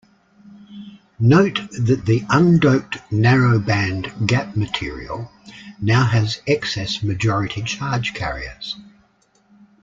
Note that the undoped narrow band gap material now has excess majority charge carriers.